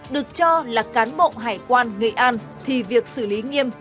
được cho là cán bộ hải quan nghệ an thì việc xử lý nghiêm